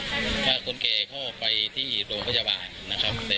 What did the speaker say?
จะมาเป็นครอบครัวครับถ้าคนเก่าเข้าไปที่โรงพยาบาลนะครับ